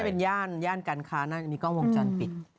เขาน่าจะเป็นย่านกันค่ะน่าจะมีกล้องวงจรปิด